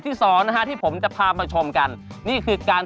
ตามแอฟผู้ชมห้องน้ำด้านนอกกันเลยดีกว่าครับ